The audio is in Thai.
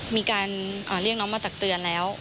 มีการเรียกน้องมาตักเตือนแล้ว